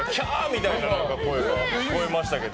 みたいな声が聞こえましたけど。